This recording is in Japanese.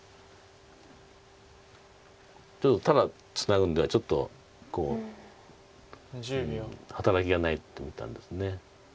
ただツナぐんではちょっと働きがないと見たんです。